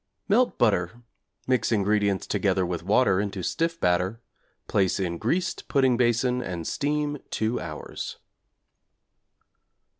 Melt butter, mix ingredients together with water into stiff batter; place in greased pudding basin and steam 2 hours.